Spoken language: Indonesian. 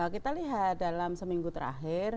kita lihat dalam seminggu terakhir